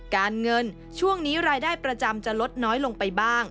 การเงินช่วงนี้รายได้ประจำจะลดน้อยลงไปบ้าง